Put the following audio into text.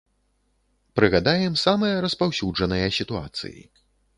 Прыгадаем самыя распаўсюджаныя сітуацыі.